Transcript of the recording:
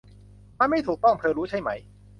มันไม่ถูกต้องเธอรู้ใช่ไหม